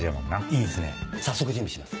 いいですね早速準備します。